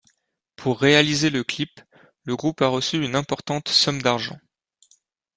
Pour réaliser le clip, le groupe a reçu une importante somme d'argent.